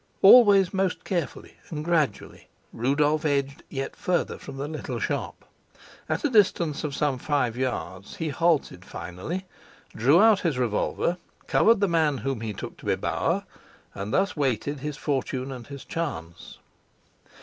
Always most carefully and gradually Rudolf edged yet farther from the little shop. At a distance of some five yards he halted finally, drew out his revolver, covered the man whom he took to be Bauer, and thus waited his fortune and his chance.